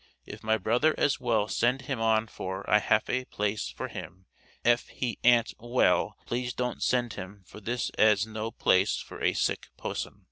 If my brother as well send him on for I haf a plase for him ef he ant well please don't send him for this as no plase for a sik possan.